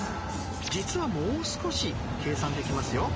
実はもう少し計算できますよ！